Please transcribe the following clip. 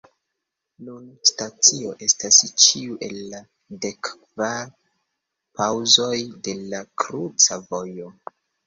Nun stacio estas ĉiu el la dekkvar paŭzoj de la kruca vojo.